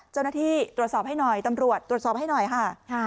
เจ้าหน้าที่ตรวจสอบให้หน่อยตำรวจตรวจสอบให้หน่อยค่ะ